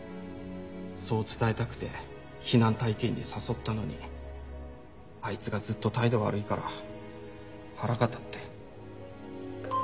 そう伝えたくて避難体験に誘ったのにあいつがずっと態度悪いから腹が立って。